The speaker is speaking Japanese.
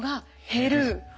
減る。